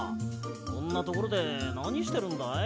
こんなところでなにしてるんだい？